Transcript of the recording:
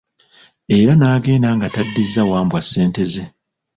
Era n'agenda nga taddizza Wambwa ssente ze.